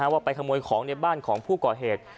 ว่าไปขโมยของในบ้านของผู้ก่อเหตุ